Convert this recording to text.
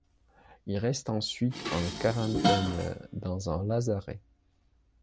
Il reste ensuite en quarantaine dans un lazaret.